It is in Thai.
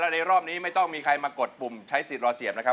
ในรอบนี้ไม่ต้องมีใครมากดปุ่มใช้สิทธิ์รอเสียบนะครับ